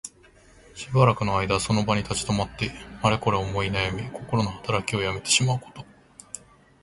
しばらくの間その場に立ち止まって、あれこれ思いなやみ、こころのはたらきをやめてしまうこと。